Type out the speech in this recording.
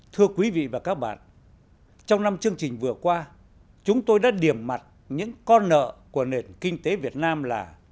thưa quý vị và các bạn trong năm chương trình vừa qua chúng tôi đã điểm mặt những con nợ của nền kinh tế việt nam là